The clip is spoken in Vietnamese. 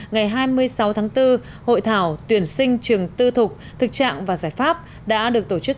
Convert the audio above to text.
ngày hai mươi sáu tháng bốn hội thảo tuyển sinh trường tư thục thực trạng và giải pháp đã được tổ chức